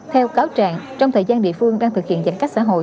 theo cáo trạng trong thời gian địa phương đang thực hiện giãn cách xã hội